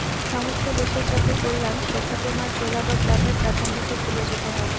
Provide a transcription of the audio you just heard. সমস্ত দেশের যাতে কল্যাণ, সেথা তোমার জেলা বা গ্রামের প্রাধান্যটি ভুলে যেতে হবে।